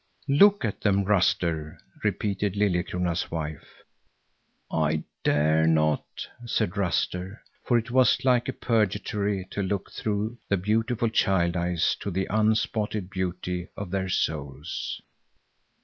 "Look at them, Ruster!" repeated Liljekrona's wife. "I dare not," said Ruster, for it was like a purgatory to look through the beautiful child eyes to the unspotted beauty of their souls.